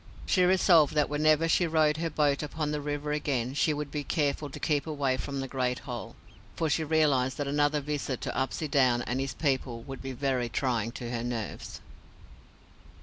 She resolved that whenever she rowed her boat upon the river again, she would be careful to keep away from the Great Hole, for she realized that another visit to Upsydoun and his people would be very trying to her nerves.